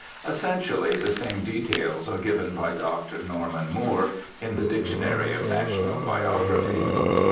Essentially the same details are given by Dr. Norman Moore in the Dic tionary of National Biography.